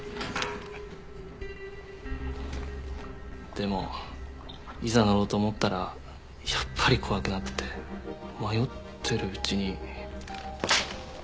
でもいざ乗ろうと思ったらやっぱり怖くなって迷ってるうちに。